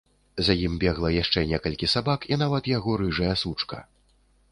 За ім бегла яшчэ некалькі сабак і нават яго рыжая сучка.